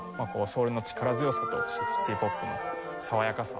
ソウルの力強さとシティ・ポップの爽やかさ